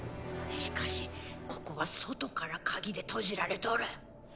しかしここは外からカギで閉じられとる！